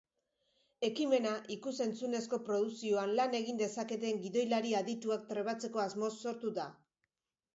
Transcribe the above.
Ekimena ikus-entzunezko produkzioan lan egin dezaketen gidoilari adituak trebatzeko asmoz sortu da.